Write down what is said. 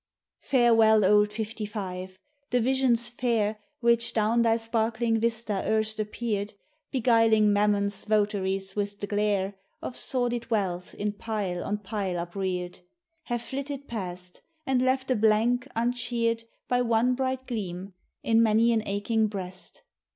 Farewell, old Fifty five! the visions fair Which down thy sparkling vista erst appeared, Beguiling Mammon's votaries with the glare Of sordid wealth in pile on pile upreared, Have flitted past, and left a blank, uncheered By one bright gleam, in many an aching breast.